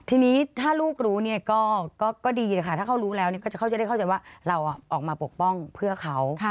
ทีนี้ถ้าลูกรู้ก็ดีถ้าเขารู้แล้วก็จะเข้าใจว่าเราออกมาปกป้องเพื่อเขา